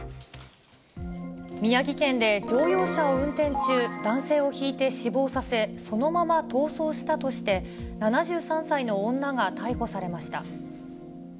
宮城県で乗用車を運転中、男性をひいて死亡させ、そのまま逃走したとして、７３歳の女が逮捕されました。